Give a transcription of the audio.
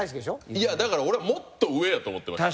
いやだから俺もっと上やと思ってました。